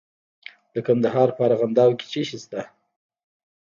د کندهار په ارغنداب کې څه شی شته؟